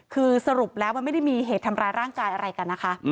คือสรุปแล้วมันไม่ได้มีเหตุทำร้ายร่างกายอะไรกันนะคะ